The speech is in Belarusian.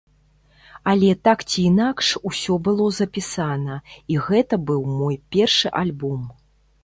Але так ці інакш усё было запісана, і гэта быў мой першы альбом.